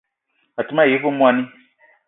A te ma yi ve mwoani